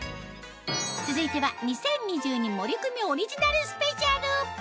続いては２０２２森クミオリジナルスペシャル